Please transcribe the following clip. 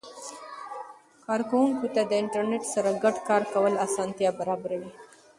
کاروونکو ته د انټرنیټ سره ګډ کار کول اسانتیا برابر وي.